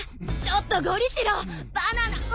ちょっとゴリ四郎バナナ